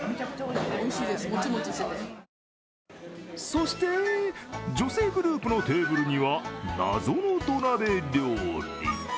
そして女性グループのテーブルには、謎の土鍋料理。